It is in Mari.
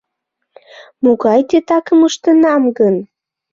Могай титакым ыштенам гын?